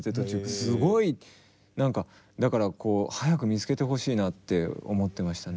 すごい何かだからこう早く見つけてほしいなって思ってましたね。